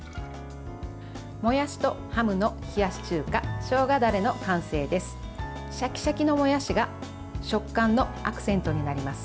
もやしとハムの冷やし中華しょうがだれの完成です。